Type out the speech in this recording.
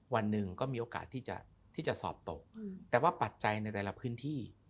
วันหนึ่งก็มีโอกาสที่จะสอบตกแต่ว่าปัจจัยในแต่ละพื้นที่